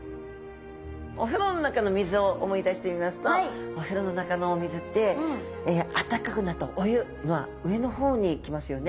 お風呂の中の水を思い出してみますとお風呂の中のお水ってあったかくなったお湯は上の方に来ますよね。